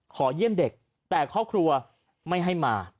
ขอเยี่ยมเด็กแต่ครอบครัวไม่ให้มา